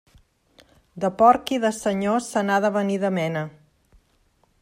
De porc i de senyor se n'ha de venir de mena.